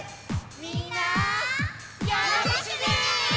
みんなよろしくね！